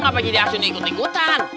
ngapa jadi asun ikut ikutan